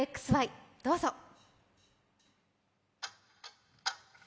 どうぞ。